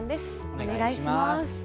お願いします。